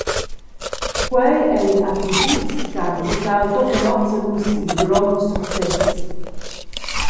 Quei ein attributs che han purtau entochen oz a nus il grond success.